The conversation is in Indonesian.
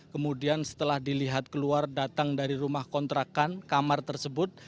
kemudian setelah dilihat keluar datang dari rumah kontrakan kamar tersebut